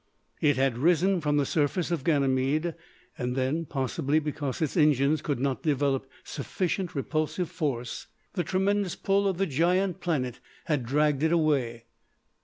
It had risen from the surface of Ganymede, and then, possibly because its engines could not develop sufficient repulsive force, the tremendous pull of the giant planet had dragged it away.